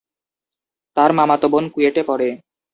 তার মামাতো বোন কুয়েটে পড়ে।